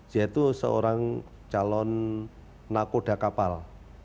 yaitu seorang calon nakoda kapal